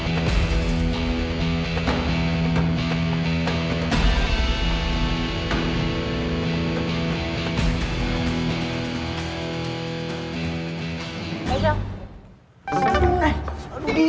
malin saling berdampak dan ngondja ngondja saja